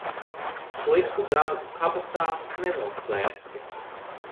Sliktu darbu kabatā nenoslēpsi.